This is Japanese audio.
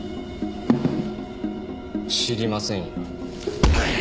知りませんよ。